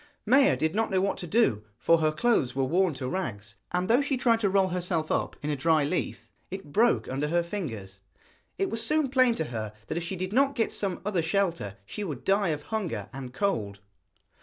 Maia did not know what to do, for her clothes were worn to rags, and though she tried to roll herself up in a dry leaf it broke under her fingers. It soon was plain to her that if she did not get some other shelter she would die of hunger and cold.